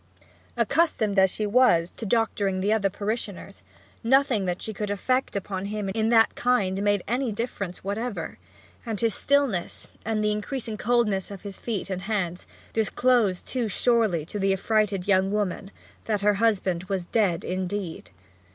Accustomed as she was to doctoring the other parishioners, nothing that she could effect upon him in that kind made any difference whatever; and his stillness, and the increasing coldness of his feet and hands, disclosed too surely to the affrighted young woman that her husband was dead indeed.